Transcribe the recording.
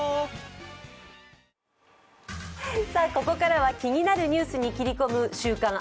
ここからは気になるニュースに切り込む「週刊！